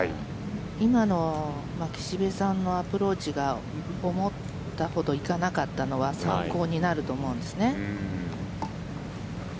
今のは岸部さんのアプローチが思ったほど行かなかったのは参考になると思うんですね。